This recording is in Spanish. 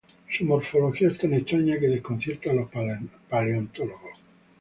Su morfología es tan extraña que desconcierta a los paleontólogos.